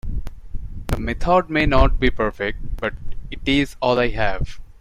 The method may not be perfect, but it is all I have.